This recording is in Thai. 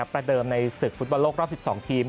ประเดิมในศึกฟุตบอลโลกรอบ๑๒ทีม